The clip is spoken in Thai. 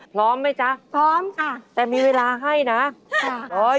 พร้อมไหมจ๊ะพร้อมค่ะแต่มีเวลาให้นะค่ะ